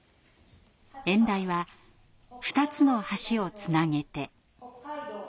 演題は「二つの橋をつなげて」。